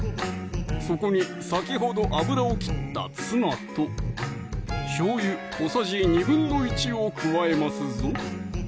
そこに先ほど油を切ったツナとしょうゆ小さじ１／２を加えますぞ！